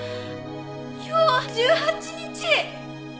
今日１８日。